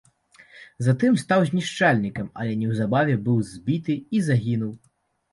Затым стаў знішчальнікам, але неўзабаве быў збіты і загінуў.